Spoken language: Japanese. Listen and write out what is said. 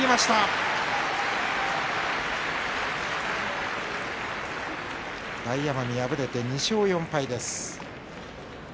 拍手大奄美、敗れて２勝４敗。